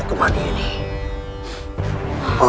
aku akan mencari obat ini raka